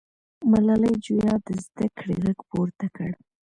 ملالۍ جویا د زده کړې غږ پورته کړ.